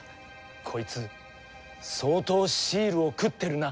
こいつ相当シールを食ってるな。